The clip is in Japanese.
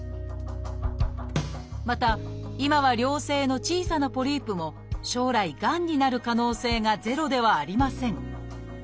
また今は良性の小さなポリープも将来がんになる可能性がゼロではありません。